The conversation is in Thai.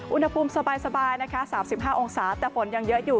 อุณหภูมิสบายนะคะ๓๕องศาแต่ฝนยังเยอะอยู่